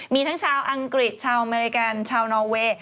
มีทั้งชาวอังกฤษชาวอเมริกันชาวนอเวย์